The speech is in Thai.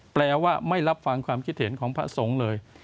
แปลว่าไม่รับฟังความคิดเห็นของพระสงฆ์เลย